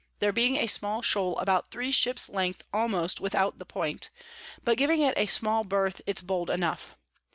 There being a small Shoal about three Ships length almost without the Point, but giving it a small birth it's bold enough.